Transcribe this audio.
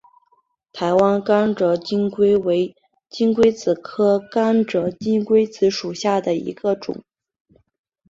台湾甘蔗金龟为金龟子科甘蔗金龟属下的一个种。